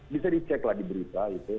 bisa dicek lah di berita itu